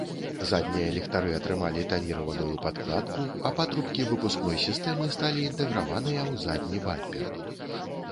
Заднія ліхтары атрымалі таніраваную падкладку, а патрубкі выпускной сістэмы сталі інтэграваныя ў задні бампер.